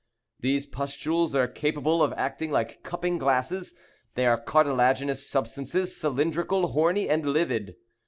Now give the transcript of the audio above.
These pustules are capable of acting like cupping glasses. They are cartilaginous substances, cylindrical, horny, and livid.